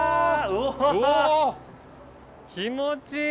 うわ気持ちいい！